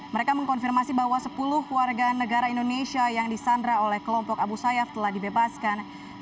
mereka mengkonfirmasi bahwa sepuluh warga negara indonesia yang disandra oleh kelompok abu sayyaf telah dibebaskan